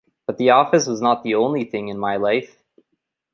But the office was not the only thing in my life.